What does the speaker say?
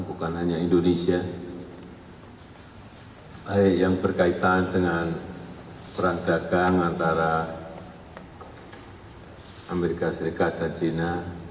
bukan hanya indonesia baik yang berkaitan dengan perang dagang antara amerika serikat dan china